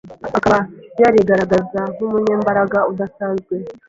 akaba yarigaragaza nk’umunyembaraga udasanzwe